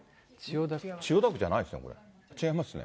千代田区じゃないですね、違いますね。